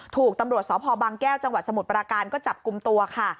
ถูกตำรวจสพบางแก้วจังหวัดสมุทรปราการก็จับกลุ่มตัวค่ะ